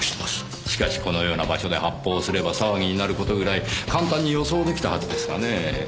しかしこのような場所で発砲をすれば騒ぎになる事ぐらい簡単に予想出来たはずですがねぇ。